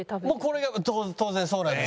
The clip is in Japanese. これ当然そうなんですけど。